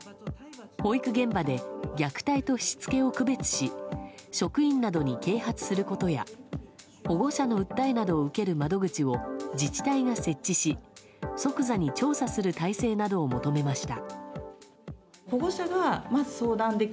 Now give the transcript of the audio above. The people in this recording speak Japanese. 保育現場で虐待としつけを区別し職員などに啓発することや保護者の訴えなどを受ける窓口を自治体が設置し即座に調査する体制などを求めました。